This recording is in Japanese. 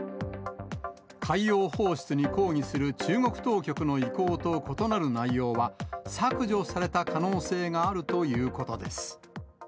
海洋放出に抗議する中国当局の意向と異なる内容は削除された可能性があるということです。